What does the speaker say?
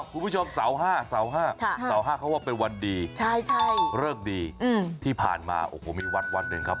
คุณผู้ชมเสาร์๕เสา๕เสา๕เขาว่าเป็นวันดีเลิกดีที่ผ่านมาโอ้โหมีวัดวัดหนึ่งครับ